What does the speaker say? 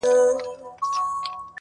څو لفظونه مي د میني ورته ورکړه,